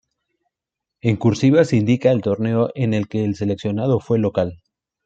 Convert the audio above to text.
En "cursiva" se indica el torneo en el que el seleccionado fue local.